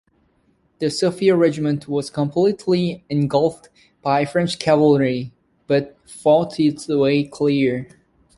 The Sophia Regiment was completely engulfed by French cavalry but fought its way clear.